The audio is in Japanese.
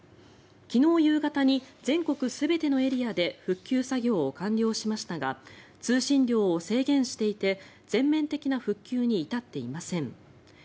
昨日夕方に全国全てのエリアで復旧作業を完了しましたが通信量を制限していて全面的な復旧に至っていません。